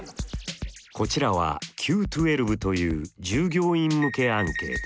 こちらはＱ１２という従業員向けアンケート。